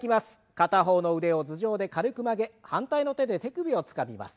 片方の腕を頭上で軽く曲げ反対の手で手首をつかみます。